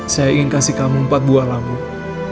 saya ingin kasih kamu empat buah lambung